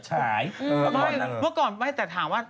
เมื่อก่อนที่ถามว่า